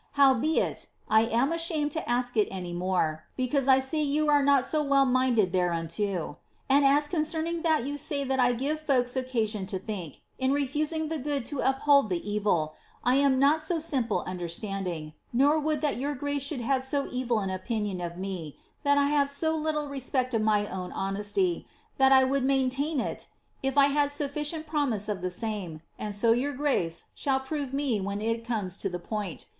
Howbeit, I am ashamed to ask it any more, because I see you are not so well minded thereunto. And as concerning that you say that I give folks occasion to think, in refusing the good to uphold the <9vil, I am not of so simple understanding, nor I would that your graoe should have so evil an opinion of me that I have so little respect of my own honesty, that I would maintain it if I had sufficient promise of the same, and so your grace shall prove mo when it comes to the point.